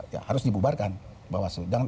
ya harus dibubarkan bawasuh